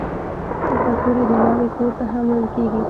پکورې د ناوې کور ته هم وړل کېږي